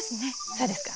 そうですか。